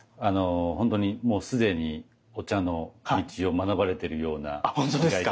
本当にもう既にお茶の道を学ばれてるような気がいたします。